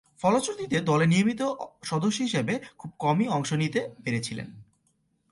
ফলশ্রুতিতে দলে নিয়মিত সদস্য হিসেবে খুব কমই অংশ নিতে পেরেছিলেন।